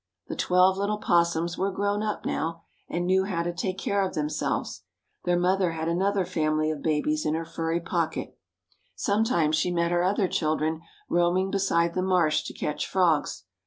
The twelve little opossums were grown up now, and knew how to take care of themselves. Their mother had another family of babies in her furry pocket. Sometimes she met her other children roaming beside the marsh to catch frogs.